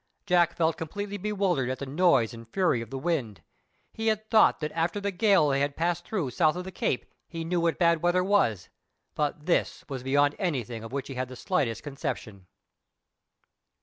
Jack felt completely bewildered at the noise and fury of the wind. He had thought that after the gale they had passed through south of the Cape, he knew what bad weather was; but this was beyond anything of which he had the slightest conception.